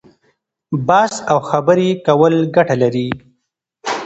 بحث او خبرې کول ګټه لري.